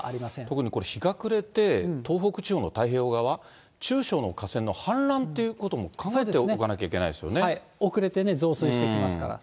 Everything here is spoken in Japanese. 特にこれ、日が暮れて、東北地方の太平洋側は、中小の河川の氾濫ということも考えておか遅れて増水してきますから。